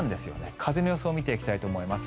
風の予想を見ていきたいと思います。